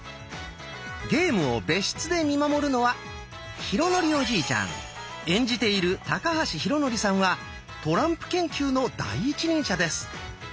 ゲームを別室で見守るのは演じている高橋浩徳さんはトランプ研究の第一人者です。